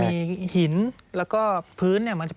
สวัสดีค่ะที่จอมฝันครับ